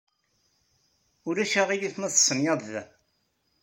Ulac aɣilif ma testenyaḍ da?